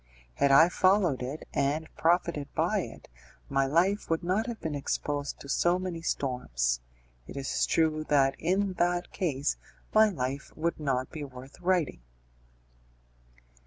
Had I followed it, and profited by it, my life would not have been exposed to so many storms; it is true that in that case, my life would not be worth writing.